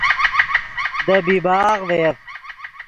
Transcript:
دے بیباغ ڤے یف